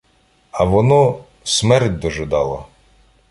А воно — смерть дожидала.